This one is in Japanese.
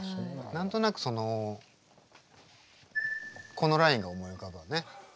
何となくそのこのラインが思い浮かぶわね。